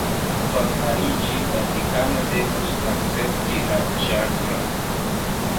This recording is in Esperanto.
Por aliĝi, Vatikano devus akcepti la ĉarton.